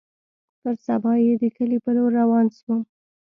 پر سبا يې د کلي په لور روان سوم.